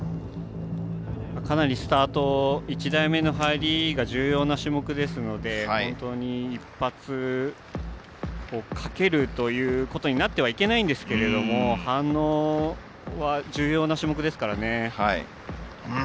かなりスタート１台目の入りが重要になる種目ですので一発に賭けるということになってはいけないんですけれども反応は重要な種目ですからね。